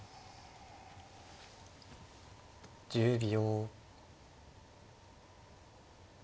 １０秒。